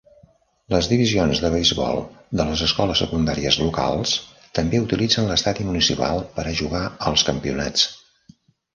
Les divisions de beisbol de les escoles secundàries locals també utilitzen l'Estadi Municipal per a jugar als campionats.